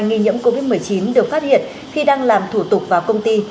nghi nhiễm covid một mươi chín được phát hiện khi đang làm thủ tục vào công ty